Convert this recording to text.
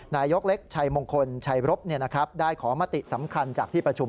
นายกเล็กชัยมงคลชัยรบได้ขอมติสำคัญจากที่ประชุม